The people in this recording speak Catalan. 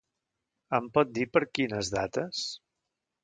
Em pot dir per quines dates?